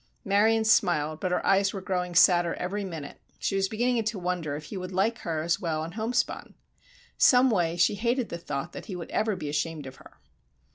Marion smiled, but her eyes were growing sadder every minute. She was beginning to wonder if he would like her as well in homespun. Some way she hated the thought that he would ever be ashamed of her.